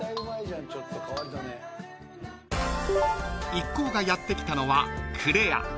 ［一行がやって来たのは］